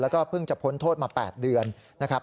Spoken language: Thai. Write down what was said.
แล้วก็เพิ่งจะพ้นโทษมา๘เดือนนะครับ